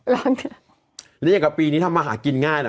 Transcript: แล้วอย่างกับปีนี้ทำมาหากินง่ายเหรอ